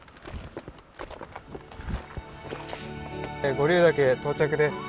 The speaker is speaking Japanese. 五竜岳に到着です。